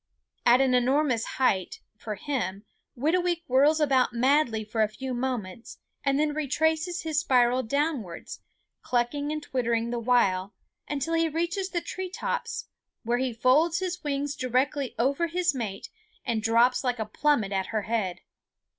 At an enormous height, for him, Whitooweek whirls about madly for a few moments and then retraces his spiral downwards, clucking and twittering the while, until he reaches the tree tops, where he folds his wings directly over his mate and drops like a plummet at her head.